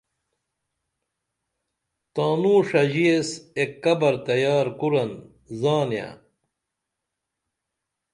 تانون ݜژی ایس ایک قبر تیار کُرن زانیہ